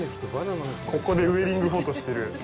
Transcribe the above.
ここでウエディングフォトしてる。